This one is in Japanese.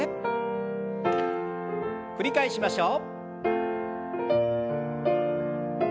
繰り返しましょう。